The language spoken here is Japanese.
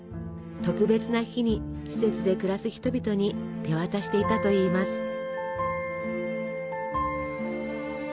特別な日に施設で暮らす人々に手渡していたといいます。